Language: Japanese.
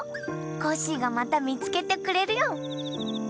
コッシーがまたみつけてくれるよ。